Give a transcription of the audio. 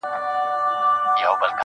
نه ښېرا نه کوم هغه څومره نازک زړه لري~